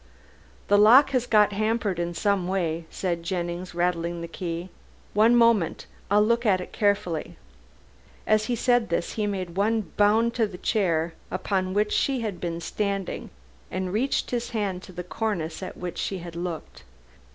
"The lock has got hampered in some way," said Jennings, rattling the key, "one moment, I'll look at it carefully." As he said this he made one bound to the chair upon which she had been standing and reached his hand to the cornice at which she had looked.